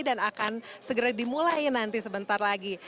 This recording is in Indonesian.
dan akan segera dimulai nanti sebentar lagi